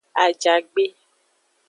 Ajagbe.